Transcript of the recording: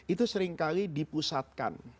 itu seringkali dipusatkan